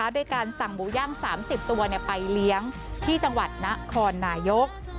ด้วยการสั่งหมูย่าง๓๐ตัวไปเลี้ยงที่จังหวัดนครนายก